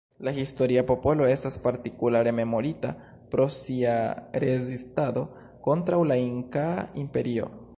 La historia popolo estas partikulare memorita pro sia rezistado kontraŭ la Inkaa Imperio.